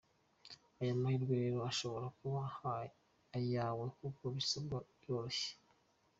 Aya mahirwe rero ashobora kuba ayawe kuko ibisabwa biroroshye.